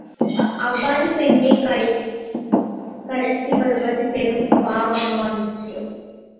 அவ்வாறு பெண்ணைக் கடத்திவருவது பெரும் பாவமாயிற்றே!